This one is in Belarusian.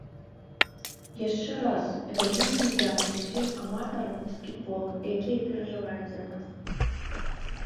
Яшчэ раз вялізны дзякуй ўсім аматарам баскетбола, якія перажываюць за нас!